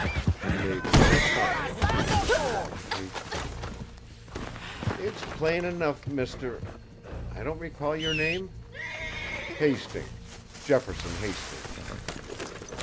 She made no sign of seeing his new occupation. "It's plain enough, Mr. I don't recall your name." "Hastings Jefferson Hastings."